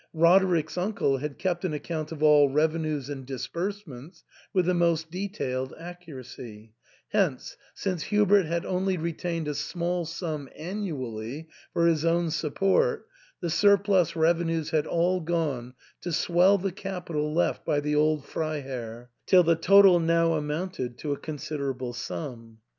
Roderick's uncle had kept an account of all revenues and disbursements with the most detailed accuracy ; hence, since Hubert had only retained a small sum annually for his own support, the surplus revenues had all gone to swell the capital left by the old Freiherr, till the total now amounted to a considerable sum.